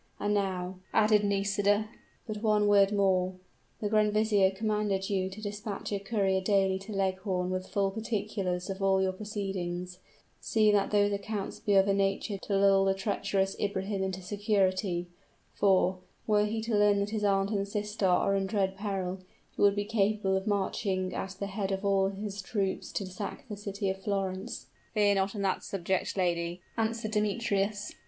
And now," added Nisida, "but one word more. The grand vizier commanded you to dispatch a courier daily to Leghorn with full particulars of all your proceedings; see that those accounts be of a nature to lull the treacherous Ibrahim into security for, were he to learn that his aunt and sister are in dread peril, he would be capable of marching at the head of all his troops to sack the city of Florence." "Fear not on that subject, lady," answered Demetrius.